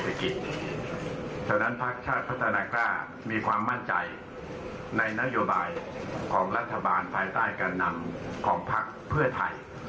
เพราะฉะนั้นพักชาติพัฒนากล้ามีความมั่นใจในนโยบายของรัฐบาลภายใต้การนำของพักเพื่อไทย